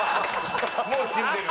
もう死んでる？